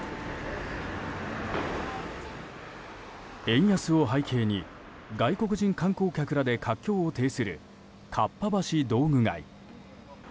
円安を背景に外国人観光客らで活況を呈するかっぱ橋道具街。